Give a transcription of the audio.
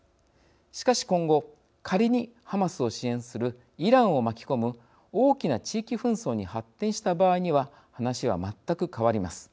しかし今後仮にハマスを支援するイランを巻き込む大きな地域紛争に発展した場合には話は全く変わります。